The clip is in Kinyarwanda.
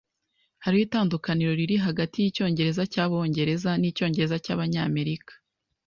Hariho itandukaniro riri hagati yicyongereza cyabongereza nicyongereza cyabanyamerika.